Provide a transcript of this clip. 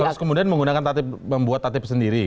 terus kemudian menggunakan membuat tatip sendiri